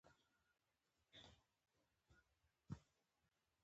بزګان د افغانستان د جغرافیایي موقیعت یوه پایله ده.